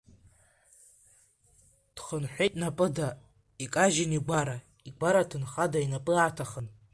Дхынҳәит напыда, икажьын игәара, игәара ҭынхада инапы аҭахын.